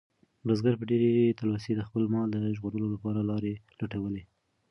بزګر په ډېرې تلوسې د خپل مال د ژغورلو لپاره لارې لټولې.